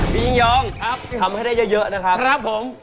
ยิ่งยองครับทำให้ได้เยอะนะครับครับผม